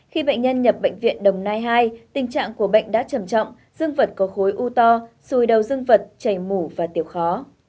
khi bệnh nhân nhập bệnh viện đồng nai hai tình trạng của bệnh đã trầm trọng dương vật có khối u to sùi đầu dương vật chảy mủ và tiểu khó